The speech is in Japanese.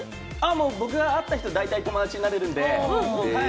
僕は会った人、だいたい友達になれるんで。